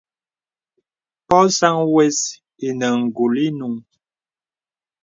Pɔ̄ɔ̄ sàŋ wə̀s inə ngùl inùŋ.